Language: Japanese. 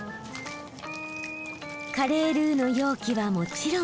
カレールーの容器はもちろん。